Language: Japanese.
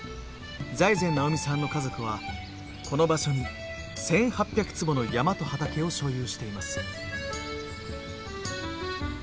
財前直見さんの家族はこの場所に１，８００坪の山と畑を所有しています。